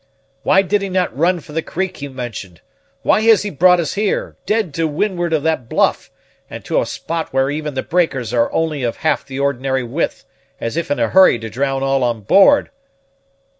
"Why did he not run for the creek he mentioned? why has he brought us here, dead to windward of that bluff, and to a spot where even the breakers are only of half the ordinary width, as if in a hurry to drown all on board?"